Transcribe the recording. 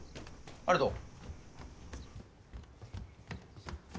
ありがとう。